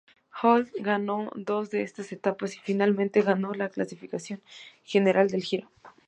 Hinault ganó dos de esas etapas y finalmente ganó la clasificación general del Giro.